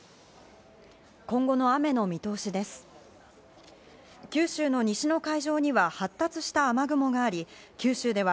今後の雨の見通しです。